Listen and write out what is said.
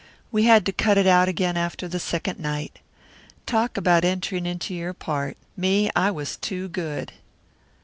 We had to cut it out again after the second night. Talk about entering into your part. Me? I was too good."